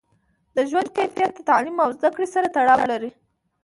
د ژوند کیفیت د تعلیم او زده کړې سره تړاو لري.